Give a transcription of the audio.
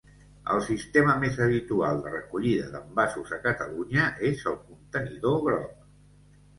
El sistema més habitual de recollida d'envasos a Catalunya és el contenidor groc.